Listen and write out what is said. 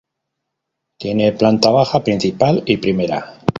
Tiene planta baja, principal y primera.